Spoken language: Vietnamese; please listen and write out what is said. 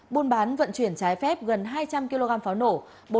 buôn bán vận chuyển trái phép gần hai trăm linh kg pháo nổ